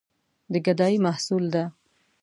د ګدايي محصول ده.